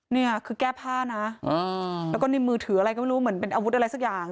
เนี่ยคือแก้พาล่อนและก็ในมือถืออะไรก็ไม่รู้ว่าเป็นอาวุธอะไรสักอย่าง